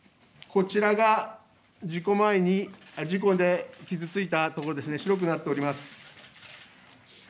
こちらが事故前に事故で傷ついたところ、白くなっております。